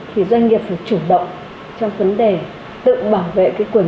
thì doanh nghiệp phải chủ động trong vấn đề tự bảo vệ cái quyền